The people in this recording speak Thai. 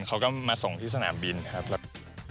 เขาก็มาส่งที่สนามบินครับ